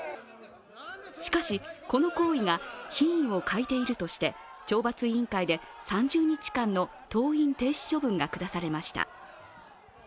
しかし、この行為が品位を欠いているとして、懲罰委員会で３０日間の登院停止処分が下されました。